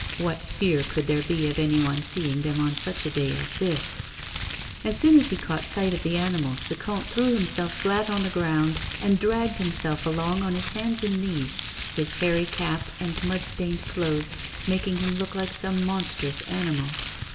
(What fear could there be of anyone seeing them on such a day as this 1) As soon as he caught sight of the animals, the comte threw himself flat on the ground, and dragged himself along on his hands and knees, his hairy cap and mud stained clothes making him look like some monstrous animal.